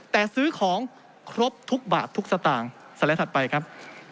แต่ซื้อของครบทุกบาททุกสตางค์สไลด์ถัดไปครับ